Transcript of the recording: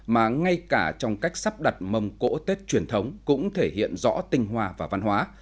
mà ngay cả trong cách sắp đặt mầm cỗ tết truyền thống cũng thể hiện rõ tinh hoa và văn hóa